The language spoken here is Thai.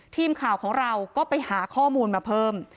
ทีมข่าวของเราก็ไปหาข้อมูลมาเพิ่ม